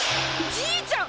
じいちゃん！